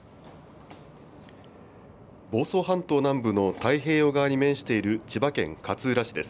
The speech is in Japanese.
房総半島南部の太平洋側に面している千葉県勝浦市です。